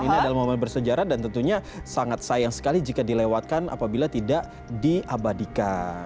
ini adalah momen bersejarah dan tentunya sangat sayang sekali jika dilewatkan apabila tidak diabadikan